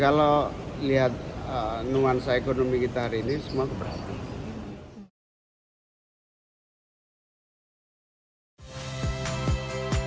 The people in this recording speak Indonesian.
kalau lihat nuansa ekonomi kita hari ini semua keberatan